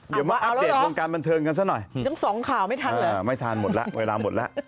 เดี๋ยวมาอัปเดตวงการบรรเทิงกันซะหน่อยไม่ทานหมดแล้วเวลาหมดแล้ว